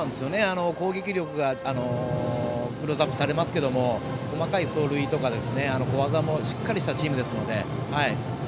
攻撃力がクローズアップされますけど細かい走塁とか、小技もしっかりしたチームですので。